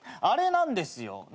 あれなんですよ。